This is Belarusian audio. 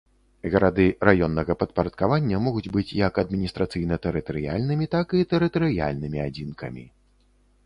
Гарады раённага падпарадкавання могуць быць як адміністрацыйна-тэрытарыяльнымі, так і тэрытарыяльнымі адзінкамі.